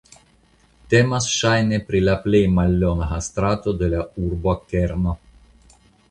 Temas ŝajne pri la plej mallonga strato de la urbokerno.